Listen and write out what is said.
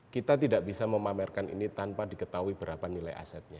kita tidak bisa memamerkan ini tanpa diketahui berapa nilai asetnya